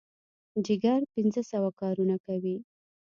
جګر پنځه سوه کارونه کوي.